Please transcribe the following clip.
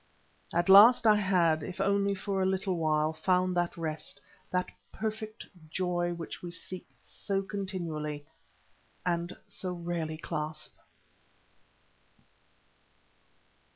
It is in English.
At last I had, if only for a little while, found that rest, that perfect joy which we seek so continually and so rarely clasp.